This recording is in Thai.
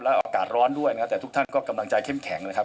อากาศร้อนด้วยนะครับแต่ทุกท่านก็กำลังใจเข้มแข็งนะครับ